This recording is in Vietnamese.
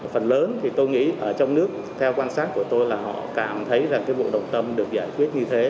phần lớn thì tôi nghĩ ở trong nước theo quan sát của tôi là họ cảm thấy rằng cái bộ đồng tâm được giải quyết như thế